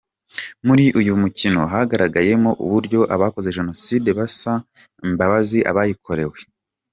Muri uyu ukino hagaragayemo uburyo abakoze Jenoside basaba imbabazi abayikorewe.